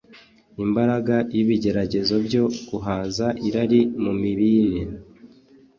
Imbaraga yibigeragezo byo guhaza irari mu mirire